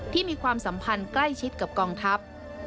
มีความสัมพันธ์ใกล้ชิดกับกองทัพ